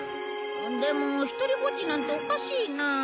でも独りぼっちなんておかしいな。